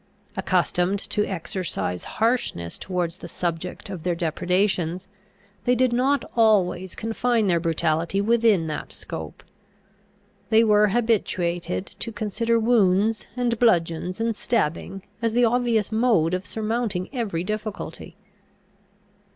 Accustomed to exercise harshness towards the subject of their depredations, they did not always confine their brutality within that scope. They were habituated to consider wounds and bludgeons and stabbing as the obvious mode of surmounting every difficulty.